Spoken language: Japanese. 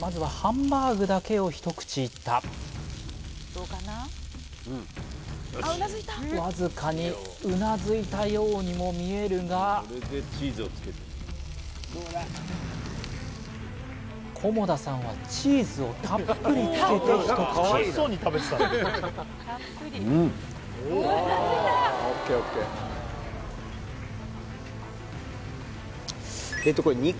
まずはハンバーグだけを一口いったわずかにうなずいたようにも見えるが菰田さんはチーズをたっぷりつけて一口肉のであとはこの何か